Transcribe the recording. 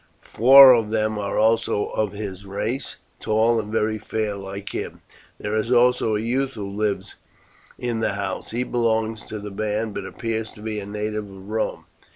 Four of them are also of his race, tall and very fair like him. There is also a youth who lives in the house. He belongs to the band, but appears to be a native of Rome.